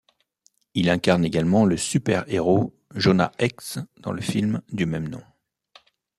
Il incarne également le super-héros Jonah Hex dans le film du même nom.